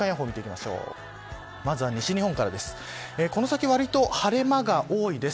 まずは西日本からです。